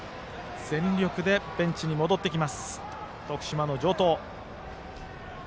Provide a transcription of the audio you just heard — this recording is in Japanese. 全力でベンチに戻ってくる徳島の城東。